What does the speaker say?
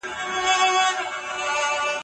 که اوړه واښو نو ډوډۍ نه سختیږي.